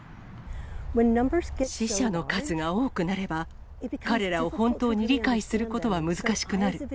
死者の数が多くなれば、彼らを本当に理解することは難しくなる。